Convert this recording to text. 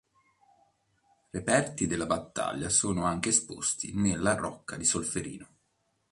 Reperti della battaglia sono anche esposti nella Rocca di Solferino.